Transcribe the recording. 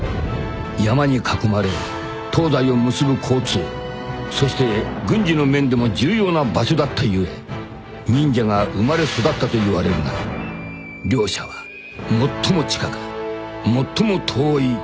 ［山に囲まれ東西を結ぶ交通そして軍事の面でも重要な場所だった故忍者が生まれ育ったといわれるが両者は最も近く最も遠い敵同士なのだ］